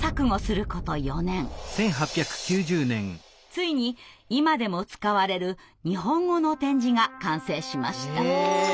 ついに今でも使われる日本語の点字が完成しました。